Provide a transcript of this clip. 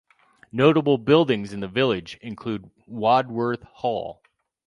Notable buildings in the village include Wadworth Hall.